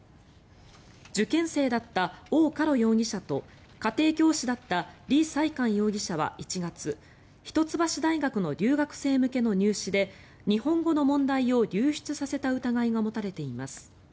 受験生だったオウ・カロ容疑者と家庭教師だったリ・サイカン容疑者は１月一橋大学の留学生向けの入試で日本語の問題を流出させた疑いが持たれています。